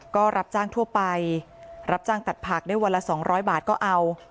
ก็รับจ้างทั่วไปรับจ้างตัดผักได้วันละ๒๐๐บาทก็เอา